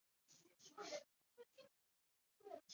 它也常被用来指电影中的多个单一场景来表现电影。